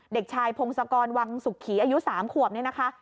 เด็กชายพงศกรวังสุขีอายุ๓ขวบนี่นะคะ